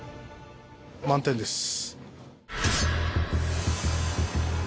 満点です。